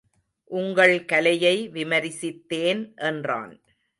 உங்கள் கலையை விமரிசித்தேன் என்றான்.